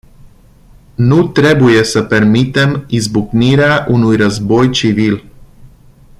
Nu trebuie să permitem izbucnirea unui război civil.